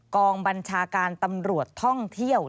กองบัญชาการตำรวจท่องเที่ยว